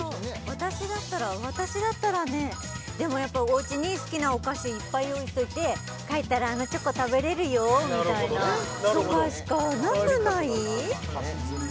私だったら私だったらねでもやっぱりおうちに好きなお菓子いっぱい用意しといて帰ったらあのチョコ食べれるよみたいなとかしかなくない？